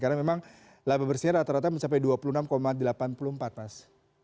karena memang laba bersihnya rata rata mencapai dua puluh enam delapan puluh empat mas